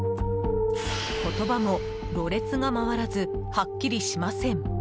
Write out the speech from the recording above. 言葉も、ろれつが回らずはっきりしません。